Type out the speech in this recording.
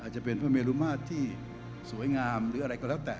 จะเป็นพระเมรุมาตรที่สวยงามหรืออะไรก็แล้วแต่